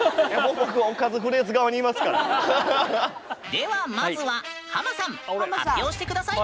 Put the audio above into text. ではまずはハマさん発表して下さい。